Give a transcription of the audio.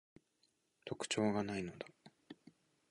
特徴が無いのだ